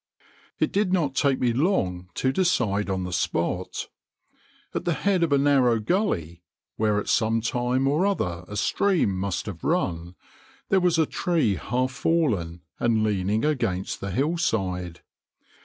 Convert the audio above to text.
It did not take me long to decide on the spot. At the head of a narrow gully, where at some time or other a stream must have run, there was a tree half fallen, and leaning against the hillside.